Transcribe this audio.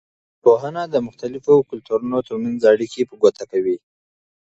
ټولنپوهنه د مختلفو کلتورونو ترمنځ اړیکې په ګوته کوي.